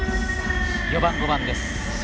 ４番、５番です。